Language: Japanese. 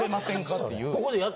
っていう。